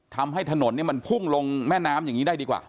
ทำให้ถนนมันพุ่งลงแม่น้ำอย่างนี้ได้ดีกว่า